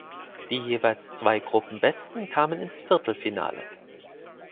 Die jeweils zwei Gruppenbesten kamen ins Viertelfinale.